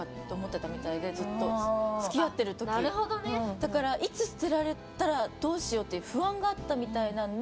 だから、いつ捨てられたらどうしようという不安があったみたいで。